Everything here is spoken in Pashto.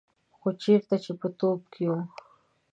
خو چېرته چې به توپ و.